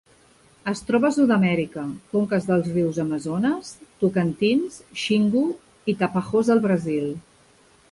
Es troba a Sud-amèrica: conques dels rius Amazones, Tocantins, Xingu i Tapajós al Brasil.